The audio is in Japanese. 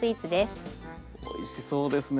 おいしそうですね。